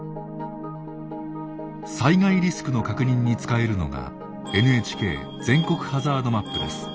災害リスクの確認に使えるのがＮＨＫ全国ハザードマップです。